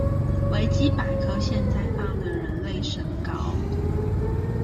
維基百科現在放的人類身高